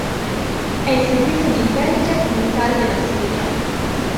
È il servizio di intelligence militare della Siria.